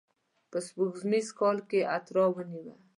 په سپوږمیز کال کې یې اترار ونیو.